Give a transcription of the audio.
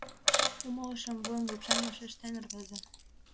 «Умылышым», — вуйым лупшен вашештен рвезе.